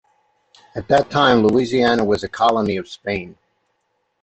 At that time Louisiana was a colony of Spain.